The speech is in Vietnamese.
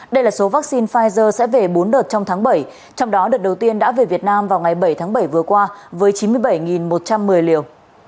đây là số vaccine pfizer sẽ về bốn đợt trong tháng bảy trong đó đợt đầu tiên đã về việt nam vào ngày bảy tháng bảy vừa qua với chín mươi bảy một trăm một mươi liều